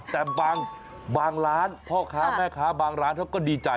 แต่บางร้านพ่อค้าแม่ค้าบางร้านเขาก็ดีใจ